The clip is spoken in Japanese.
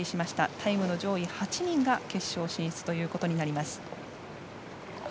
タイムの上位８人が決勝進出となります。